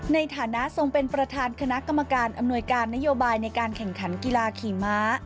ในฐานะทรงเป็นประธานคณะกรรมการอำนวยการนโยบายในการแข่งขันกีฬาขี่ม้า